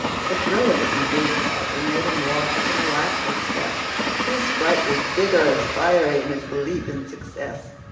The thrill of his enthusiasm made him walk with an elastic step. He was sprightly, vigorous, fiery in his belief in success.